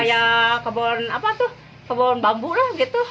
kayak kebun bambu lah gitu